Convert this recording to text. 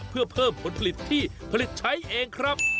เพื่อเพิ่มผลผลิตที่ผลิตใช้เองครับ